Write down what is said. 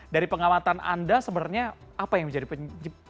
dari pengawatan anda sebenarnya apa yang menjadi penyebab